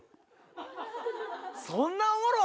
そんなおもろい？